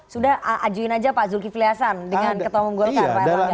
sudah ajuin aja pak zulkifli hasan dengan ketemu mugulkan erbayang